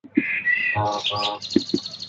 Grammar School and at King's College, Lagos.